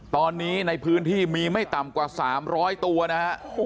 ตอนนี้ในพื้นที่มีไม่ต่ำกว่า๓๐๐ตัวนะฮะ